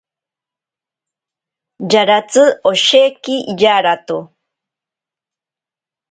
Jaratsi osheki yarato.